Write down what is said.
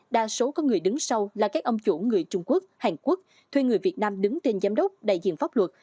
đa số có người đứng sau là các ông chủ người trung quốc hàn quốc thuê người việt nam đứng tên giám đốc đại diện pháp luật